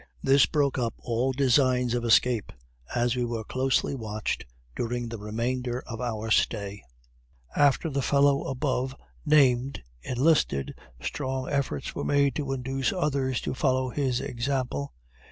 This broke up all designs of escape, as we were closely watched during the remainder of our stay. After the fellow above named enlisted, strong efforts were made to induce others to follow his example.